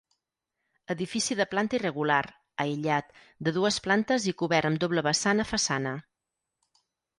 Edifici de planta irregular, aïllat, de dues plantes i cobert amb doble vessant a façana.